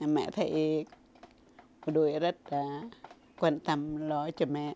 mẹ thấy đội rất quan tâm lo cho mẹ